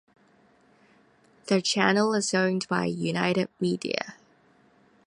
The channel is owned by United Media.